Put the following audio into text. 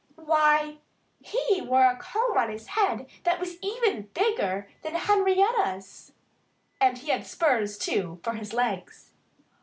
Why, he wore a comb on his head that was even bigger than Henrietta's! And he had spurs, too, for his legs.